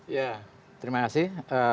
ya terima kasih